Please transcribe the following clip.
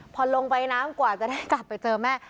พอลงไปน้ำกว่าจะได้กลับไปเจอแม่